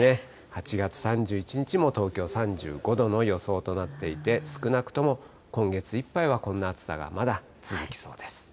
８月３１日も東京３５度の予想となっていて、少なくとも今月いっぱいは、こんな暑さがまだ続きそうです。